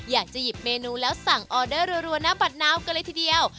อยากจะหยิบเมนูแล้วสั่งออเดอร์รัวหน้าบัตรนาวกันเลยทีเดียว